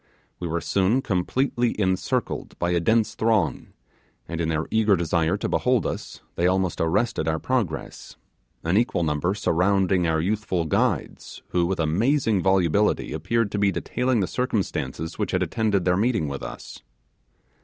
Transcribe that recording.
We were soon completely encircled by a dense throng, and in their eager desire to behold us they almost arrested our progress; an equal number surrounded our youthful guides, who with amazing volubility appeared to be detailing the circumstances which had attended their meeting with us.